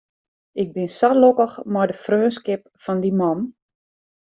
Ik bin sa lokkich mei de freonskip fan dy man.